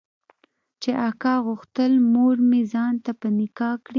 چې اکا غوښتل مورمې ځان ته په نکاح کړي.